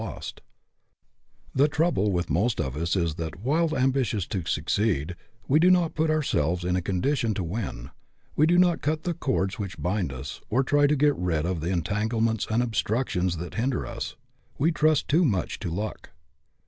43 44 FREEDOM AT ANY COST The trouble with most of us is that, while ambitious to succeed, we do not put ourselves in a condition to win ; we do not cut the cords which bind us, or try to get rid of the en tanglements and obstructions that hinder us. We trust too much to luck.